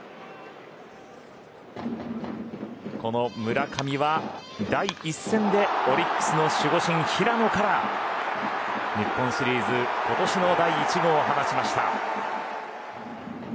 この村上は第１戦でオリックスの守護神平野から日本シリーズ今年の第１号を放ちました。